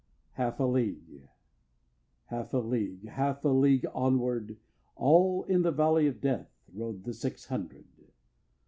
Half a league, half a league, Half a league onward, All in the valley of Death Rode the six hundred.